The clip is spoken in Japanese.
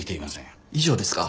以上ですか？